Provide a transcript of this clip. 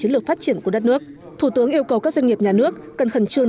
trong kỳ lực phát triển của đất nước thủ tướng yêu cầu các doanh nghiệp nhà nước cân khẩn trương